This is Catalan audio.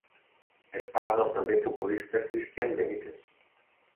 És pare del també futbolista Christian Benítez.